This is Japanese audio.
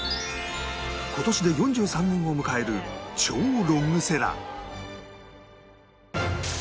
今年で４３年を迎える超ロングセラー